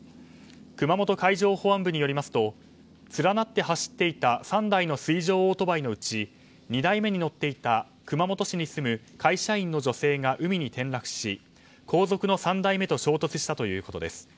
熊本海上保安部によりますと連なって走っていた３台の水上オートバイのうち２台目に乗っていた熊本市に住む会社員の女性が海に転落し後続の３台目と衝突したということです。